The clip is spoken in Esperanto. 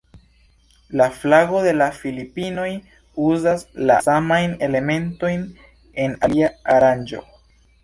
La flago de la Filipinoj uzas la samajn elementojn en alia aranĝo.